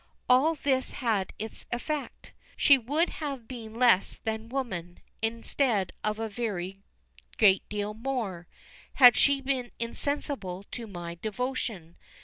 All this had its effect. She would have been less than woman, instead of a very great deal more had she been insensible to my devotion.